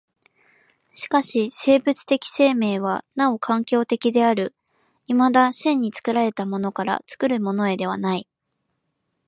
しかし生物的生命はなお環境的である、いまだ真に作られたものから作るものへではない。